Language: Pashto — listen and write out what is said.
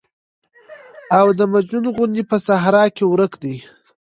او د مجنون غوندې په صحرا کې ورک دى.